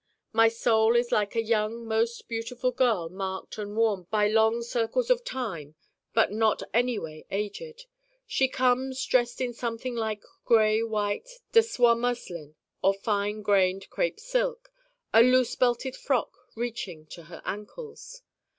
My Soul is like a young most beautiful girl marked and worn by long cycles of time but not anyway aged. She comes dressed in something like gray white de soie muslin or fine grained crêpe silk, a loose belted frock reaching to her ankles.